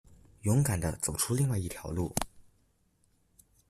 勇敢地走出另外一條路